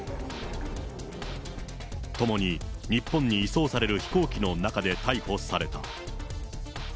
共に日本に移送される飛行機の中で逮捕された。